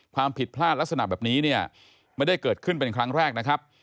ความผิดพลาดลักษณะแบบนี้เนี่ยไม่ได้เกิดขึ้นเป็นครั้งแรกนะครับ